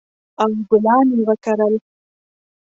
او ګلان یې وکرل